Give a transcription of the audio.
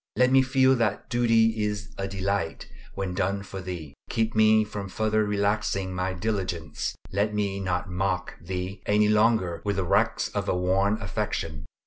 Let me feel that duty is a delight when done for Thee. Keep me from further relaxing my diligence. Let me not mock Thee any longer with the wrecks of a worn affection.